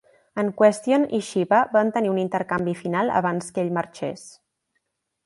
En Question i Shiva van tenir un intercanvi final abans que ell marxés.